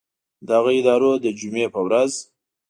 دغه ادارو د جمعې په ورځ